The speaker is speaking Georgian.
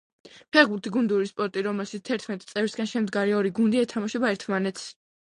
ფეხბურთი გუნდური სპორტი, რომელშიც თერთმეტი წევრისგან შემდგარი ორი გუნდი ეთამაშება ერთმანეთს.